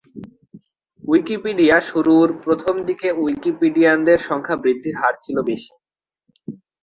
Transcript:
Wikipedia শুরুর প্রথম দিকে উইকিপিডিয়ানদের সংখ্যা বৃদ্ধির হার ছিল বেশি।